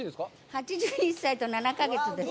８１歳と７か月です。